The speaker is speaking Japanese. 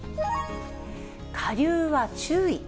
下流は注意。